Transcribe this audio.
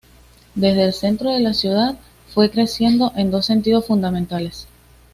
Desde el centro la ciudad fue creciendo en dos sentidos fundamentales.